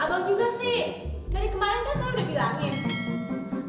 abang juga sih dari kemarin kan saya udah bilangin